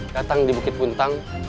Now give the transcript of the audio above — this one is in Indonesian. datang di bukit puntang